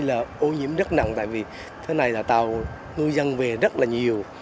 là ô nhiễm rất nặng tại vì thế này là tàu ngư dân về rất là nhiều